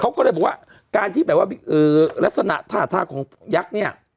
เขาก็เลยบอกว่าการที่แบบว่าลักษณะท่าทางของยักษ์เนี่ย